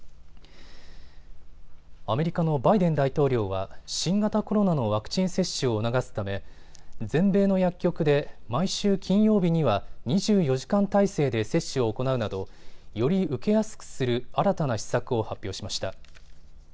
アメリカのバイデン大統領は新型コロナのワクチン接種を促すため全米の薬局で毎週金曜日には２４時間態勢で接種を行うなどより受けやすくする新たな施策を発表しました。